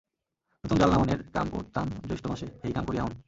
নতুন জাল নামানের কাম করতাম জইষ্টো মাসে, হেই কাম করি এহোন।